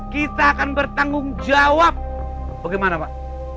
kita akan bertanggung jawab bagaimana pak